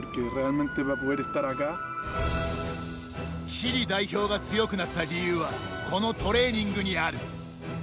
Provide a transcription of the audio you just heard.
チリ代表が強くなった理由はこのトレーニングにある。